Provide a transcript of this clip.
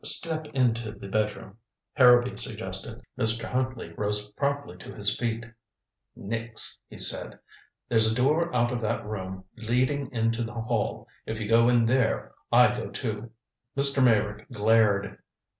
"Er step into the bedroom," Harrowby suggested. Mr. Huntley rose promptly to his feet. "Nix," he said. "There's a door out of that room leading into the hall. If you go in there, I go, too." Mr. Meyrick glared.